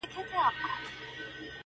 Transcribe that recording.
• داسي هم نور ورباندي سته نومونه,